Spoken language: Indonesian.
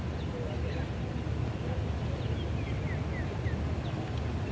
asal sekolah sma negeri dua puluh